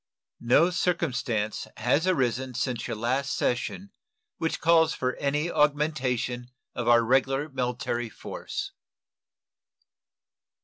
No circumstance has arisen since your last session which calls for any augmentation of our regular military force.